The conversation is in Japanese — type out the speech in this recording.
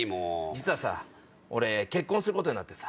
実は俺結婚することになってさ。